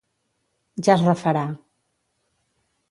Ja es refarà.